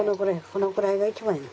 このくらいが一番いい。